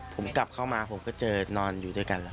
ผมกลับเข้ามาผมก็เจอนอนอยู่ด้วยกันแล้ว